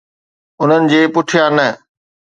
انهن جي پٺيان نه